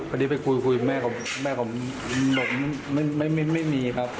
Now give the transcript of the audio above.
พอดีไปคุยคุยแม่ของหนกไม่มีครับ